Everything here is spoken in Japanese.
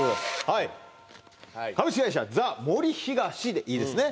はい株式会社ザ・森東でいいですね？